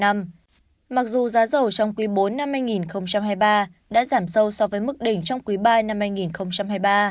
mặc dù giá dầu trong quý bốn năm hai nghìn hai mươi ba đã giảm sâu so với mức đỉnh trong quý ba năm hai nghìn hai mươi ba